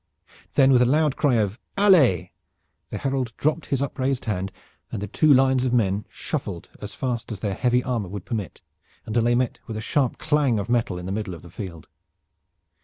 Then with a loud cry of "Allez!" the herald dropped his upraised hand, and the two lines of men shuffled as fast as their heavy armor would permit until they met with a sharp clang of metal in the middle of the field.